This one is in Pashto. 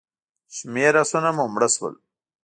شمېر آسونه مو مړه شول.